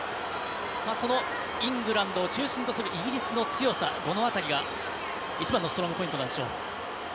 そのイングランドを中心とするイギリスの強さどの辺りが一番のストロングポイントですか。